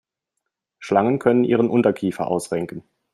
Schlangen können ihren Unterkiefer ausrenken.